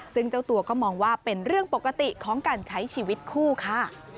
ซึ่งเจ้าตัวก็มองว่าเป็นเรื่องปกติของการใช้ชีวิตคู่ค่ะ